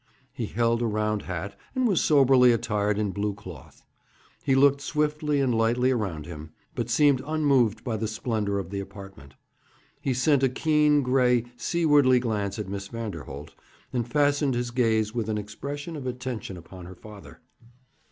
He held a round hat, and was soberly attired in blue cloth. He looked swiftly and lightly around him, but seemed unmoved by the splendour of the apartment. He sent a keen, gray, seawardly glance at Miss Vanderholt, and fastened his gaze with an expression of attention upon her father.